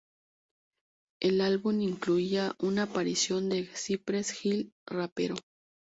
El álbum incluía una aparición de Cypress Hill rapero.